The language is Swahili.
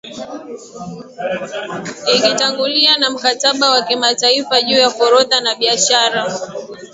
ikitanguliwa na Mkataba wa Kimataifa juu ya Forodha na Biashara